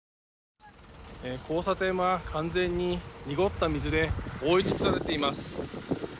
交差点は完全に濁った水で覆い尽くされています。